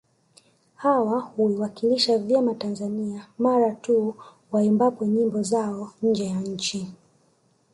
Hawa huiwakilisha vyema Tanzania mara tu waimbapo nyimbo zao nje ya nchi